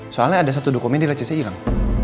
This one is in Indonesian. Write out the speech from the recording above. soalnya ada satu dokumen di lecet saya hilang